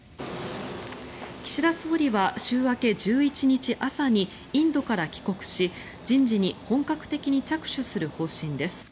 岸田総理は週明け１１日朝にインドから帰国し人事に本格的に着手する方針です。